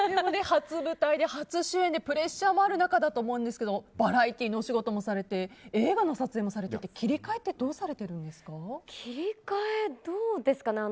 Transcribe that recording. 初舞台で、初主演でプレッシャーもある中だと思うんですけどバラエティーのお仕事もされて映画の撮影もされていて切り替えって切り替えどうですかね。